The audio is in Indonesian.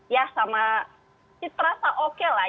ya sama terasa oke lah